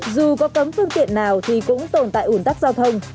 dù có cấm phương tiện nào thì cũng tồn tại ủn tắc giao thông